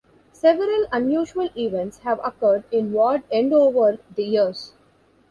Several unusual events have occurred in Ward End over the years.